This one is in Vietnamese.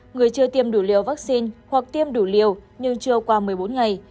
người chưa tiêm đủ liều vaccine hoặc tiêm đủ liều nhưng chưa qua một mươi bốn ngày